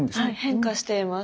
変化しています。